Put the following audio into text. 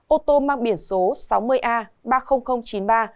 ô tô mang biển số sáu mươi a ba mươi nghìn chín mươi ba